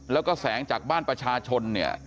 แล้วก็แสงจากบ้านประชาชนเนี่ย